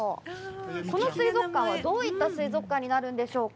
この四国水族館はどういった水族館になるんでしょうか。